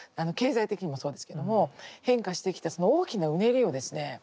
経済的にもそうですけども変化してきたその大きなうねりをですね